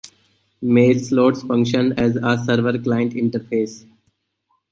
Mailslots function as a server-client interface.